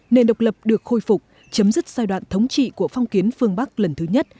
nền độc lập được khôi phục chấm dứt giai đoạn thống trị của phong kiến phương bắc lần thứ nhất